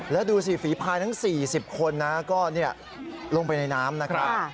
แล้วดูสิฝีพายทั้ง๔๐คนนะก็ลงไปในน้ำนะครับ